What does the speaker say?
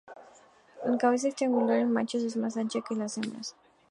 La cabeza es triangular, en machos es más ancha que en las hembras.